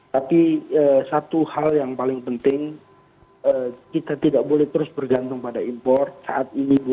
tapi satu hal yang paling penting kita tidak boleh terus bergantung pada impor saat ini bu